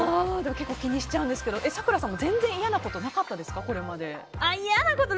結構気にしちゃうんですけど咲楽さんも嫌なことなかったですか？